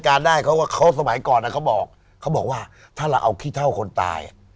ได้เขาก็เขาสมัยก่อนเขาบอกเขาบอกว่าถ้าเราเอาขี้เท่าคนตาย